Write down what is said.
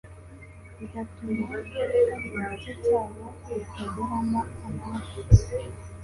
bigatuma hari igice cyabwo kitageramo amaraso